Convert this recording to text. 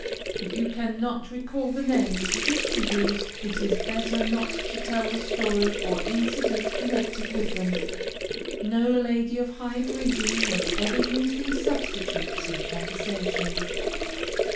If you cannot recall the names you wish to use, it is better not to tell the story or incident connected with them. No lady of high breeding will ever use these substitutes in conversation.